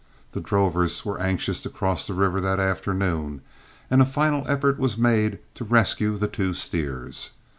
The drovers were anxious to cross the river that afternoon, and a final effort was made to rescue the two steers.